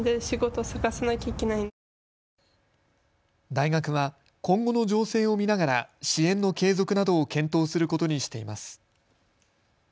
大学は今後の情勢を見ながら支援の継続などを検討することにしています。